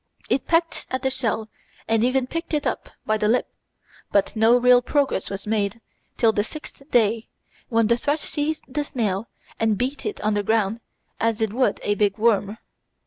It pecked at the shell and even picked it up by the lip, but no real progress was made till the sixth day, when the thrush seized the snail and beat it on the ground as it would a big worm.